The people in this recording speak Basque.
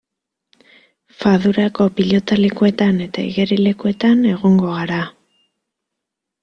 Fadurako pilotalekuetan eta igerilekuetan egongo gara.